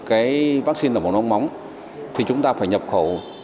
cái vaccine lở mồm long móng thì chúng ta phải nhập khẩu